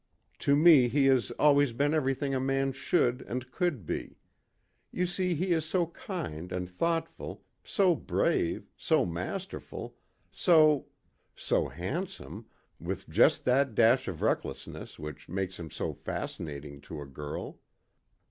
To me he has always been everything a man should and could be. You see, he is so kind and thoughtful, so brave, so masterful, so so handsome, with just that dash of recklessness which makes him so fascinating to a girl.